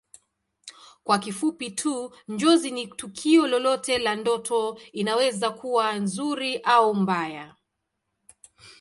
Kwa kifupi tu Njozi ni tukio lolote la ndoto inaweza kuwa nzuri au mbaya